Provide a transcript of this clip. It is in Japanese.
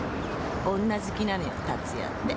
女好きなのよ達也って。